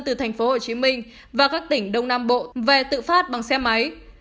từ thành phố hồ chí minh và các tỉnh đông nam bộ về tự phát bằng xe máy